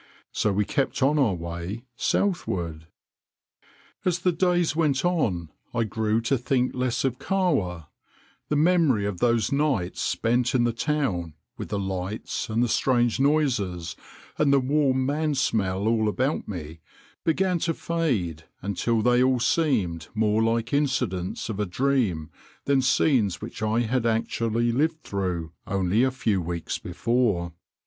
So we kept on our way southward. As the days went on I grew to think less of Kahwa; the memory of those nights spent in the town, with the lights, and the strange noises, and the warm man smell all about me, began to fade until they all seemed more like incidents of a dream than scenes which I had actually lived through only a few weeks before.